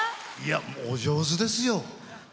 お上手ですよ。